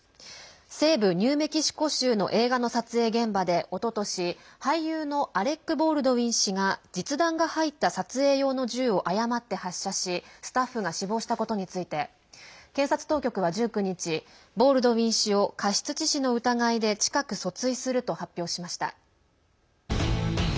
西部ニューメキシコ州の映画の撮影現場で、おととし俳優のアレック・ボールドウィン氏が実弾が入った撮影用の銃を誤って発射しスタッフが死亡したことについて検察当局は１９日ボールドウィン氏を過失致死の疑いで近く訴追すると発表しました。